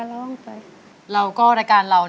น้องตาชอบให้แม่ร้องเพลง๑๙